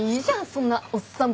そんなおっさん